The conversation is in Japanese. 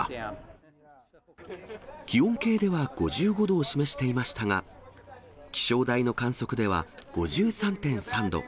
気温計では５５度を示していましたが、気象台の観測では、５３．３度。